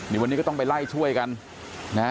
นี่วันนี้ก็ต้องไปไล่ช่วยกันนะฮะ